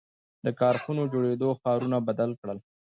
• د کارخانو جوړېدو ښارونه بدل کړل.